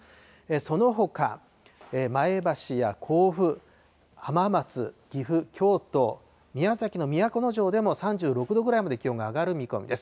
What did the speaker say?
そのほか、前橋や甲府、浜松、岐阜、京都、宮崎の都城でも３６度ぐらいまで気温が上がる見込みです。